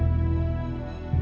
anda semua mengamlukan itu